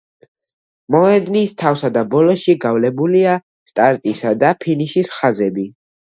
მოედნის თავსა და ბოლოში გავლებულია სტარტისა და ფინიშის ხაზები.